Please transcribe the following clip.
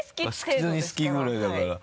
普通に好きぐらいだから。